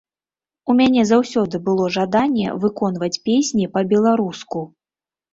У мяне заўсёды было жаданне выконваць песні па-беларуску.